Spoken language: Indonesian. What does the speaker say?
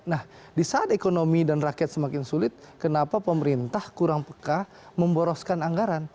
nah di saat ekonomi dan rakyat semakin sulit kenapa pemerintah kurang peka memboroskan anggaran